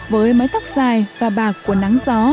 với mái tóc dài và bạc của nắng gió